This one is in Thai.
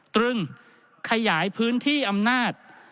ตรึงขยายพื้นที่อำนาจ